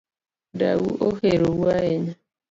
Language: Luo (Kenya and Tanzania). Dau ohero u ahinya